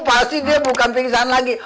pasti dia bukan pingsan lagi